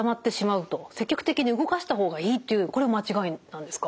積極的に動かした方がいいというこれも間違いなんですか？